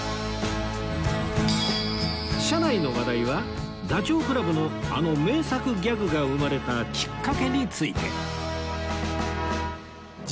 車内の話題はダチョウ倶楽部のあの名作ギャグが生まれたきっかけについて